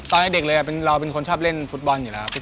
ตอนเด็กเลยเราเป็นคนชอบเล่นฟุตบอลอยู่แล้วครับ